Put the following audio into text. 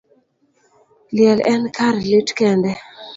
Liel en kar lit kende.